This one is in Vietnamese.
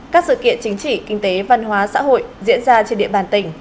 các sự kiện chính trị kinh tế văn hóa xã hội diễn ra trên địa bàn tỉnh